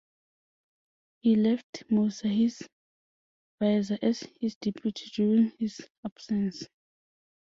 He left Musa, his vizier, as his deputy during his absence.